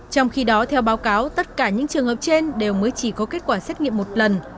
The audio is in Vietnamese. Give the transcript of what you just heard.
trong khi đó theo báo cáo tất cả những trường hợp trên đều mới chỉ có kết quả xét nghiệm một lần